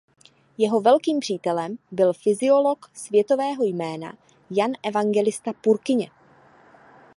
Jeho velkým přítelem byl fyziolog světového jména Jan Evangelista Purkyně.